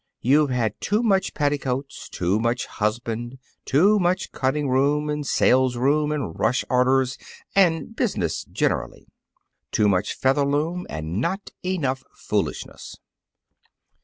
You've had too much petticoats, too much husband, too much cutting room and sales room and rush orders and business generally. Too much Featherloom and not enough foolishness."